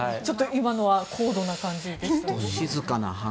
今のは高度な感じで。